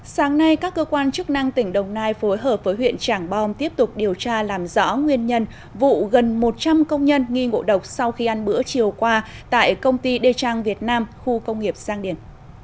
sáng nay các cơ quan chức năng tỉnh đồng nai phối hợp với huyện trảng bom tiếp tục điều tra làm rõ nguyên nhân vụ gần một trăm linh công nhân nghi ngộ độc sau khi ăn bữa chiều qua tại công ty đê trang việt nam khu công nghiệp giang điển